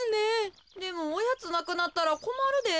でもおやつなくなったらこまるで。